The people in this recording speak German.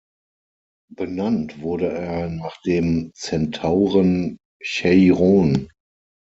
Benannt wurde er nach dem Zentauren Cheiron.